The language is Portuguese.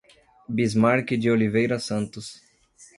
Bismarque de Oliveira Santos